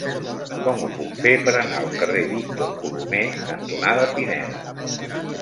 Com ho puc fer per anar al carrer Víctor Colomer cantonada Pineda?